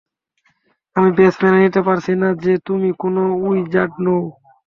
আমি ব্যস মেনে নিতে পারছি না যে তুমি কোনো উইজার্ড নও।